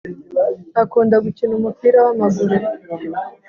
akunda gukina umupira w'amaguru